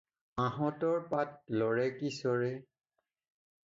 আঁহতৰ পাত লৰে কি চৰে।